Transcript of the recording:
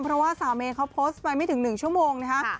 เพราะว่าสาวเมย์เขาโพสต์ไปไม่ถึง๑ชั่วโมงนะคะ